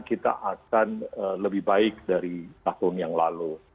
kita akan lebih baik dari tahun yang lalu